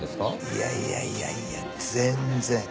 いやいやいやいや全然。